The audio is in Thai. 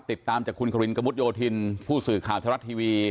ติดตามจากคุณครินกระมุดโยธินผู้สื่อข่าวทรัฐทีวี